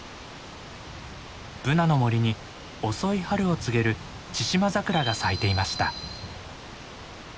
ブナの森に遅い春を告げるチシマザクラが咲いていました。